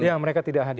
ya mereka tidak hadir